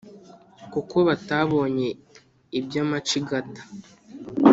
kuko batabonye ibya macigata. "